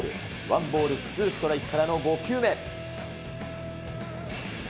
ワンボール、ツーストライクからの５球目。